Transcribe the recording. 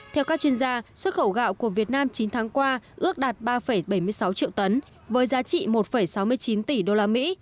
theo các chuyên gia xuất khẩu gạo của việt nam chín tháng qua ước đạt ba bảy mươi sáu triệu tấn với giá trị một sáu mươi chín tỷ đô la mỹ